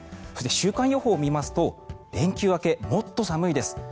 そして、週間予報を見ますと連休明け、もっと寒いです。